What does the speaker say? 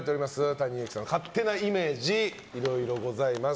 ＴａｎｉＹｕｕｋｉさんの勝手なイメージいろいろございます。